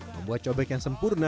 membuat cobek yang sempurna